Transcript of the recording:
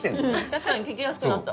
確かに聞きやすくなった。